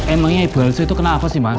emangnya ibu elsie itu kenapa sih bang